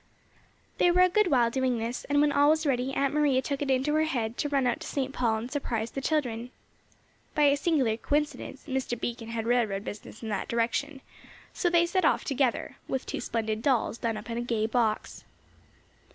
They were a good while doing this, and when all was ready, Aunt Maria took it into her head to run out to St. Paul and surprise the children. By a singular coincidence Mr. Beacon had railroad business in that direction, so they set off together, with two splendid dolls done up in a gay box.